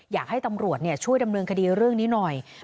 อยากให้ตำรวจช่วยดำเนินคดีเรื่องนี้หน่อย